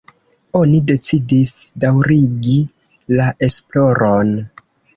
Oni decidis daŭrigi la esploron.